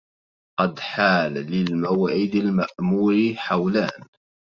قد حال للموعد المأمول حولان